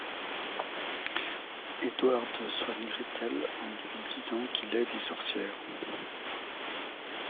Edward soigne Gretel en lui disant qu'il aide les sorcières.